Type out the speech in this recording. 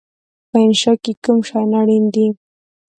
په انشأ کې کوم شیان راځي؟